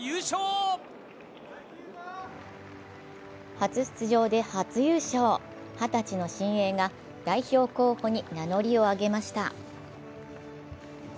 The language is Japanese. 初出場で初優勝二十歳の新鋭が代表候補に名乗りを上げました。